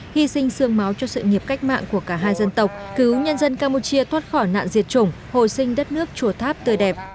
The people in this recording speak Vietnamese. hy sinh sương máu cho sự nghiệp cách mạng của cả hai dân tộc cứu nhân dân campuchia thoát khỏi nạn diệt chủng hồi sinh đất nước chùa tháp tươi đẹp